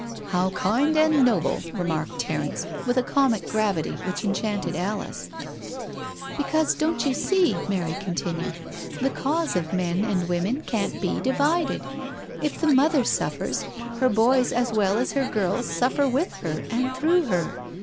" How kind and noble," remarked Terence, with a comic gravity which enchanted Alice. " Because, don't you see," Mary continued, " the cause of men and women can't be divided. If the mother suffers, her boys as well as her girls suffer with her and through her.